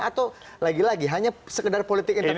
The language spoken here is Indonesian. atau lagi lagi hanya sekedar politik identitas